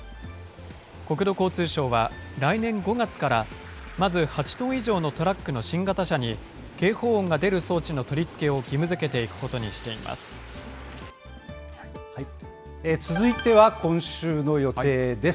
国土交通省は、来年５月からまず８トン以上のトラックの新型車に、警報音が出る装置の取り付けを義務づけていくことにしています。続いては今週の予定です。